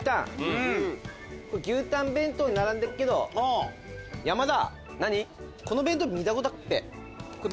牛たん弁当並んでっけど山田！